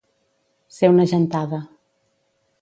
Ser una gentada.